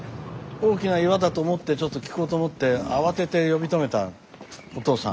大きな岩だと思ってちょっと聞こうと思って慌てて呼び止めたおとうさん。